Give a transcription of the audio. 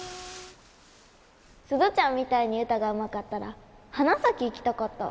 鈴ちゃんみたいに歌がうまかったら花咲行きたかったわ。